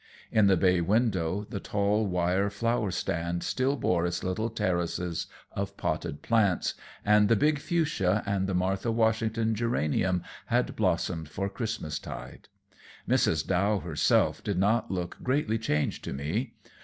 In the bay window the tall wire flower stand still bore its little terraces of potted plants, and the big fuchsia and the Martha Washington geranium had blossomed for Christmas tide. Mrs. Dow herself did not look greatly changed to me.